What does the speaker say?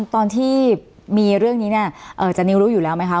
ตอนที่มีเรื่องนี้เนี่ยจานิวรู้อยู่แล้วไหมคะ